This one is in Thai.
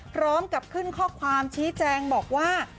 พร้อมกับขึ้นข้อความชี้แจงบอกว่า